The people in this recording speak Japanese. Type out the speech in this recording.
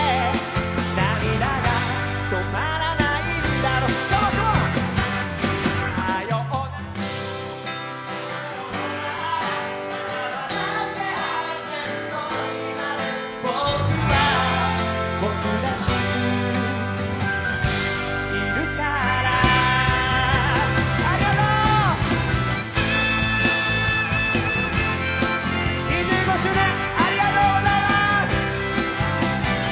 ありがとう！２５周年、ありがとうございます！